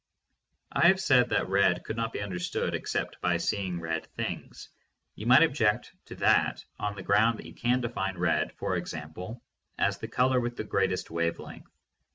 I have said that "red" could not be understood except by seeing red things. You might object to that on the ground that you can define red, for example, as "The color with the greatest wave length."